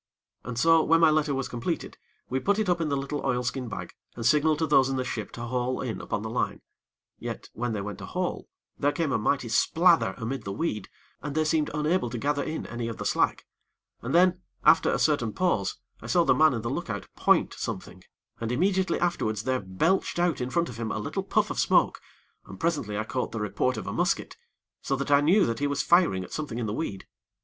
And so, when my letter was completed, we put it up in the little oilskin bag, and signaled to those in the ship to haul in upon the line. Yet, when they went to haul, there came a mighty splather amid the weed, and they seemed unable to gather in any of the slack, and then, after a certain pause, I saw the man in the look out point something, and immediately afterwards there belched out in front of him a little puff of smoke, and, presently, I caught the report of a musket, so that I knew that he was firing at something in the weed.